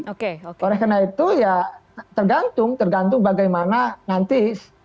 oke oleh karena itu ya tergantung tergantung bagaimana nanti